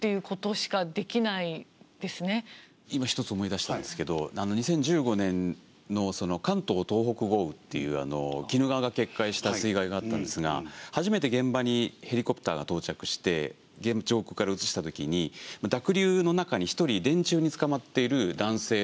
今一つ思い出したんですけど２０１５年の関東・東北豪雨っていう鬼怒川が決壊した水害があったんですが初めて現場にヘリコプターが到着して上空から映したときに濁流の中に一人電柱につかまっている男性の方がいたんですね。